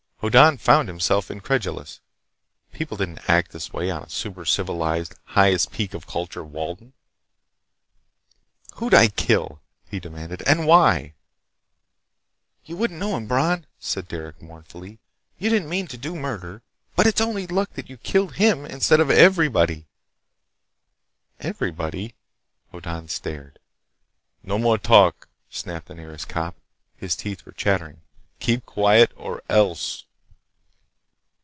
Hoddan found himself incredulous. People didn't act this way on super civilized, highest peak of culture Walden. "Who'd I kill?" he demanded. "And why?" "You wouldn't know him, Bron," said Derec mournfully. "You didn't mean to do murder. But it's only luck that you killed only him instead of everybody!" "Everybody—" Hoddan stared. "No more talk!" snapped the nearest cop. His teeth were chattering. "Keep quiet or else!"